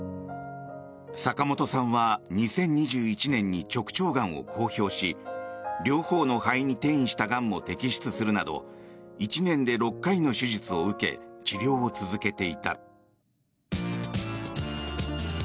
坂本さんは２０２１年に直腸がんを公表し両方の肺に転移したがんも摘出するなど１年で６回の手術を受け治療を続けていた。